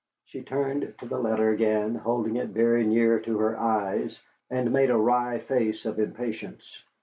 She turned to the letter again, holding it very near to her eyes, and made a wry face of impatience.